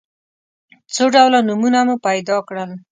څو ډوله نومونه مو پیدا کړل.